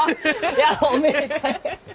いやおめでたい！